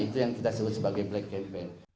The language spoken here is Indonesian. itu yang kita sebut sebagai black campaign